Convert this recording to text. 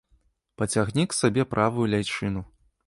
Пацягні к сабе правую ляйчыну.